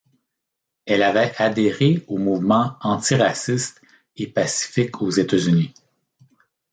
Elle avait adhéré au mouvement antiraciste et pacifique aux États-Unis.